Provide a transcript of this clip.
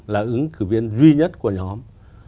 là ứng cử viên duy nhất của nhóm